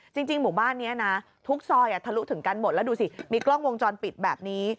จริงหมู่บ้านนี้นะทุกซอยทะลุถึงกันหมดแล้วดูสิมีกล้องวงจรปิดแบบนี้